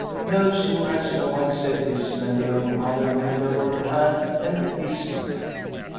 No sooner had Snow White said this than dear Mother bent over her hand and kissed it.